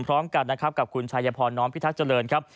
พร้อมกันนะครับกับคุณชายพรน้อมพิทักษ์เจริญครับ